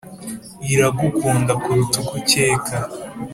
iragukunda kuruta uko ukeka